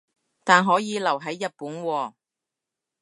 但可以留係日本喎